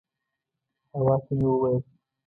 حوا ته مې وویل.